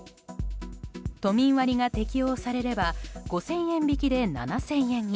都民割が適用されれば５０００円引きで７０００円に。